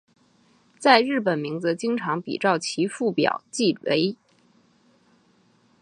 在日本名字经常比照其父表记为。